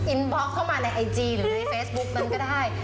บล็อกเข้ามาในไอจีหรือในเฟซบุ๊กนั้นก็ได้